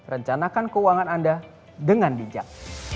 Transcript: rencanakan keuangan anda dengan bijak